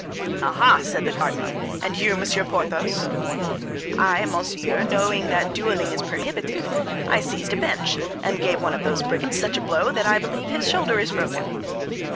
"Ah, ah!" said the cardinal; "and you, Monsieur Porthos?" "I, monseigneur, knowing that dueling is prohibited—I seized a bench, and gave one of those brigands such a blow that I believe his shoulder is broken."